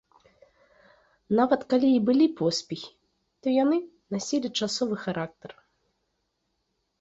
Нават калі і былі поспехі, то яны насілі часовы характар.